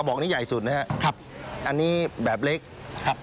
บอกนี้ใหญ่สุดนะครับครับอันนี้แบบเล็กครับ